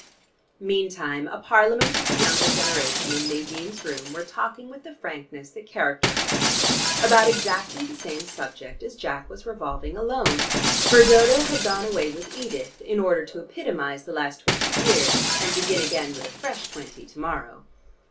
Meantime a parliament of the younger generation in Nadine's room were talking with the frankness that characterized them about exactly the same subject as Jack was revolving alone, for Dodo had gone away with Edith in order to epitomize the last twenty years, and begin again with a fresh twenty to morrow.